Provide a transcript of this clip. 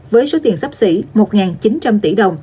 với số tiền sắp xỉ một chín trăm linh tỷ đồng